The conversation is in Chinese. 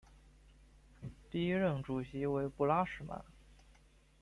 第一任主席为布拉什曼。